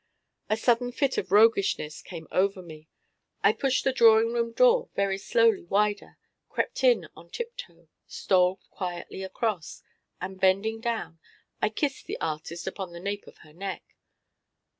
A sudden fit of roguishness came over me. I pushed the drawing room door very slowly wider, crept in on tiptoe, stole quietly across, and bending down, I kissed the artist upon the nape of her neck.